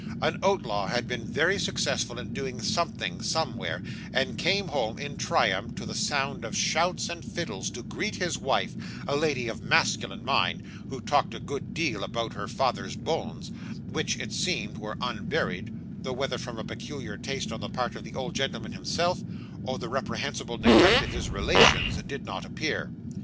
An outlaw had been very successful in doing something somewhere, and came home, in triumph, to the sound of shouts and fiddles, to greet his wife a lady of masculine mind, who talked a good deal about her father's bones, which it seemed were unburied, though whether from a peculiar taste on the part of the old gentleman himself, or the reprehensible neglect of his relations, did not appear.